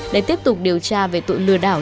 để tiếp tục điều tra về tụi lừa đảo